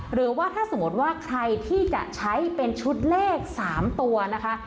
หรือว่าถ้าสมมติว่าใครที่จะใช้เป็นชุดเลข๓ตัวนะคะ